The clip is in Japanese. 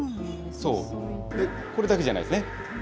これだけじゃないですね。